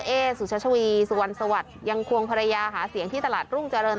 เอ๊สุชัชวีสุวรรณสวัสดิ์ยังควงภรรยาหาเสียงที่ตลาดรุ่งเจริญ